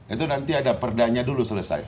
itu nanti ada perdanya dulu selesai